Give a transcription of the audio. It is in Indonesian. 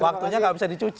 waktunya tidak bisa dicuci